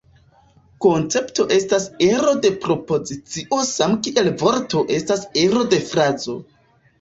Koncepto estas ero de propozicio same kiel vorto estas ero de frazo.